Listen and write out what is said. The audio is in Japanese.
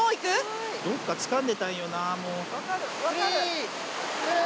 どっか、つかんでたいよなぁ、もう。